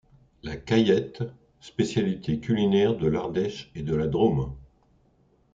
La caillette, spécialité culinaire de l'Ardèche et de la Drôme.